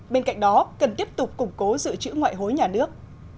bên cạnh đó cần tiếp tục củng cố giữ chữ ngoại hối nhà nước